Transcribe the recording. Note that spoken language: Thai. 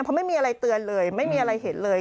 เพราะไม่มีอะไรเตือนเลยไม่มีอะไรเห็นเลย